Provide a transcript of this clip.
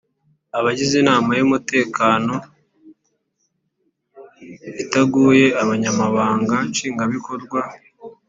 Abagize inama y umutekano itaguye abanyamabanga nshingwabikorwa